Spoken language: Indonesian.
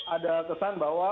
ada kesan bahwa